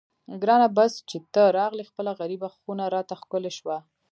ګرانه بس چې ته راغلې خپله غریبه خونه راته ښکلې شوه.